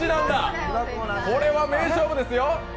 これは名勝負ですよ。